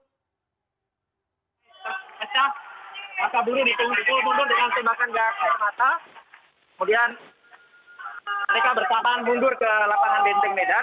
kesah masa buruh ditunggu tunggu dengan tembakan gas air mata kemudian mereka bersamaan mundur ke lapangan dinding medan